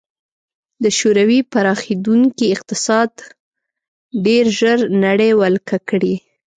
د شوروي پراخېدونکی اقتصاد ډېر ژر نړۍ ولکه کړي